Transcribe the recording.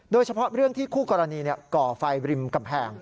โดยเฉพาะเรื่องที่คู่กรณีก่อไฟริมกำแพง